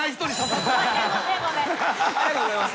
ありがとうございます。